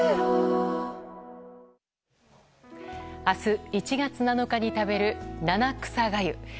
明日１月７日に食べる七草がゆ。